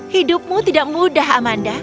hidupmu tidak mudah amanda